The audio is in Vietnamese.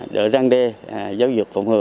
đỡ răng đê giáo dục phổng hừa